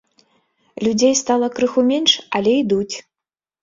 Людзей стала крыху менш, але ідуць.